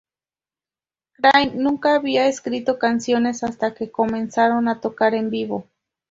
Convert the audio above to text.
Craig nunca había escrito canciones hasta que comenzaron a tocar en vivo.